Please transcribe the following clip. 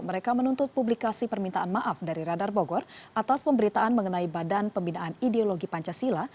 mereka menuntut publikasi permintaan maaf dari radar bogor atas pemberitaan mengenai badan pembinaan ideologi pancasila